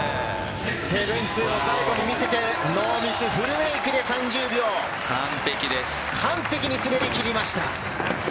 ７２０も最後に見せて、ノーミス、フルメイクで３０秒を完璧に滑り切りました。